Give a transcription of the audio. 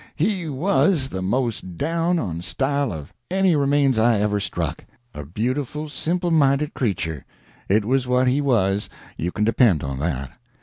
He was the most down on style of any remains I ever struck. A beautiful, simpleminded creature it was what he was, you can depend on that.